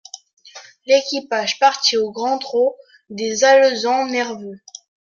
L'équipage partit au grand trot des alezans nerveux.